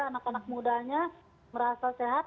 anak anak mudanya merasa sehat